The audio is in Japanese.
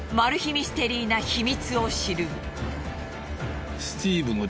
ミステリーな秘密を知る。